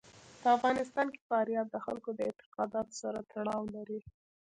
په افغانستان کې فاریاب د خلکو د اعتقاداتو سره تړاو لري.